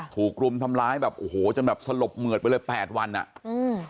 ถูกรุมทำร้ายแบบโอ้โหจนแบบสลบเหมือดไปเลยแปดวันอ่ะอืม